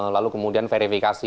lalu kemudian verifikasi